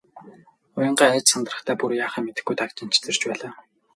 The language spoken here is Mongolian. Уянгаа айж сандрахдаа бүр яахаа мэдэхгүй дагжин чичирч байлаа.